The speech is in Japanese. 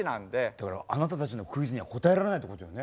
だからあなたたちのクイズには答えられないってことよね。